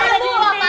eh apaan sih